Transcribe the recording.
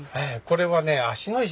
これはね